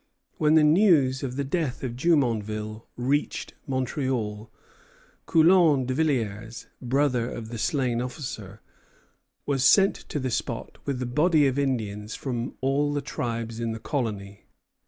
When news of the death of Jumonville reached Montreal, Coulon de Villiers, brother of the slain officer, was sent to the spot with a body of Indians from all the tribes in the colony.